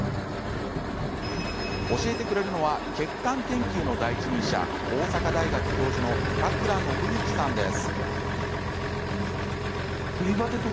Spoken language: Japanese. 教えてくれるのは血管研究の第一人者大阪大学教授の高倉伸幸さんです。